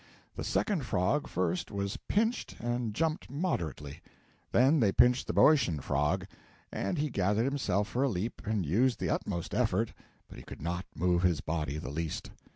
The second frog first was pinched, and jumped moderately; then they pinched the Boeotian frog. And he gathered himself for a leap, and used the utmost effort, but he could not move his body the least.